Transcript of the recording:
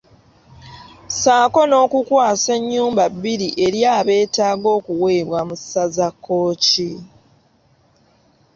Ssaako n’okukwasa ennyumba bbiri eri abeetaaga okuweebwa mu ssaza Kkooki.